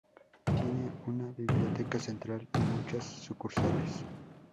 Tiene una biblioteca central y muchas sucursales.